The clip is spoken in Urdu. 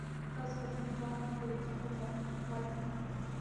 سبز پتے ہیں جو آنکھوں کے لیے ٹھنڈک کا باعث ہیں۔